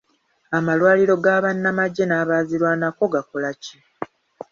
Amalwaliro ga bannamagye n'abaazirwanako gakola ki?